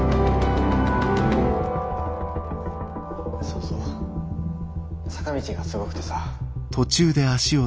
・そうそう坂道がすごくてさ。